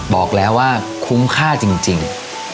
บอกแล้วว่าคุ้มค่าจริง